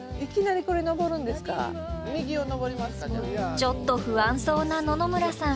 ちょっと不安そうな野々村さん。